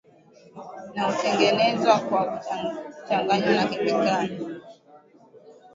na hutengenezwa kwa kuchanganywa na kemikali